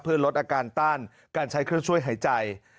เพื่อลดอาการต้านการใช้เครื่องช่วยหายใจ